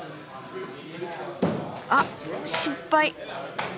あっ失敗。